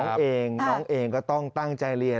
น้องเองน้องเองก็ต้องตั้งใจเรียน